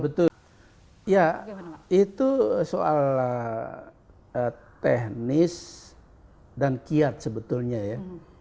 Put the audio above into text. betul ya itu soal teknis dan kiat sebetulnya ya